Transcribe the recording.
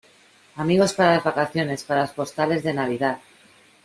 amigos para las vacaciones, para las postales de Navidad